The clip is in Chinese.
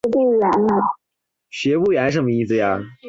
他是众议院第一位穆斯林议员。